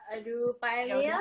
aduh pak emil